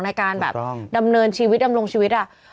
ในการแบบดำเนินชีวิตดำรงชีวิตอ่ะ